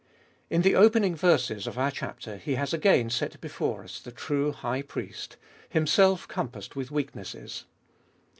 In the opening verses of our chapter he has again set before us the true High Priest — Himself compassed with weaknesses.